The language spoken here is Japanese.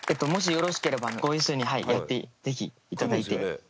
もしよろしければご一緒にやってぜひ頂いて。